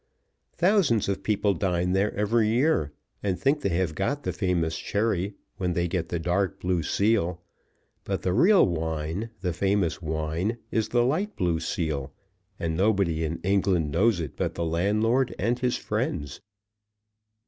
Thousands of people dine there every year, and think they have got the famous sherry when they get the dark blue seal; but the real wine, the famous wine, is the light blue seal, and nobody in England knows it but the landlord and his friends.